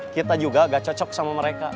kita juga agak cocok sama mereka